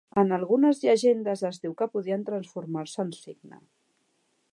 En algunes llegendes es diu que podien transformar-se en cigne.